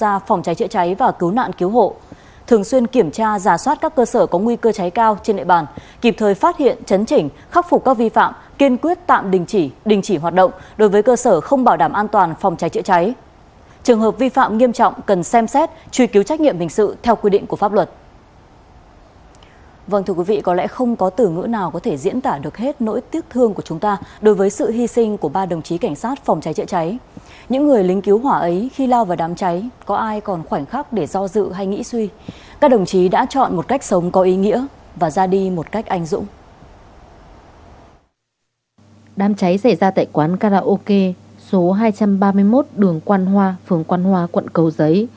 đồng chí xảy ra tại quán karaoke số hai trăm ba mươi một đường quang hoa phường quang hoa quận cầu giấy